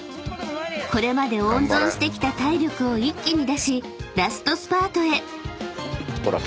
［これまで温存してきた体力を一気に出しラストスパートへ］